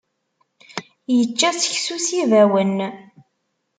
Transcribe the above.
Yečča seksu s yibawen.